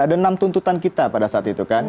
ada enam tuntutan kita pada saat itu kan